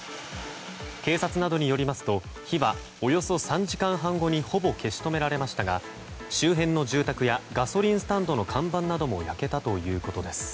警察などによりますと火はおよそ３時間半後にほぼ消し止められましたが周辺の住宅やガソリンスタンドの看板なども焼けたということです。